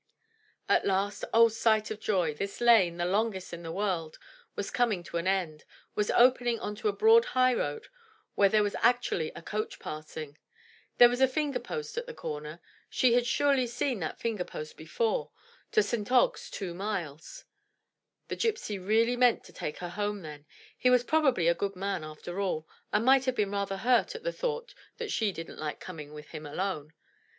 At last — oh, sight of joy! — ^this lane, the longest in the world, was coming to an end, was opening on a broad highroad where there was actually a coach passing! And there was a finger post at the comer, — she had surely seen that finger post before, — *To St. Ogg*s 2 miles." The gypsy really meant to take her home then; he was probably a good man after all, and might have been rather hurt at the thought that she didn't like coming with him alone.